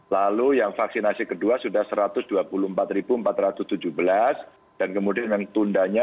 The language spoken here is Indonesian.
lalu yang vaksinasi kedua sudah satu ratus dua puluh empat empat ratus tujuh belas dan kemudian yang tundanya